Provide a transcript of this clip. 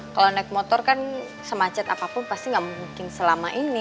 kalau naik motor kan semacet apapun pasti nggak mungkin selama ini